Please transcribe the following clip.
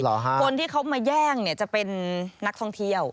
หรอฮะคนที่เขามาแย่งจะเป็นนักท่องเที่ยว